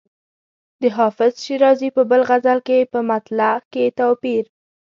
د حافظ شیرازي په بل غزل کې په مطلع کې توپیر.